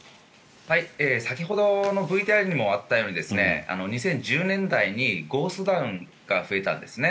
先ほどのＶＴＲにもあったように２０１０年代にゴーストタウンが増えたんですね。